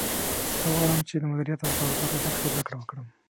زه غواړم چې د مدیریت او کاروبار په برخه کې زده کړه وکړم